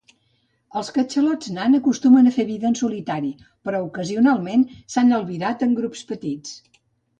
Els catxalots nan acostumen a fer vida en solitari, però ocasionalment s'han albirat en grups petits.